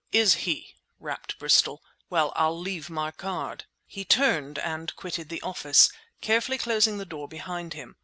"Is he?" rapped Bristol. "Well, I'll leave my card." He turned and quitted the office, carefully closing the door behind him.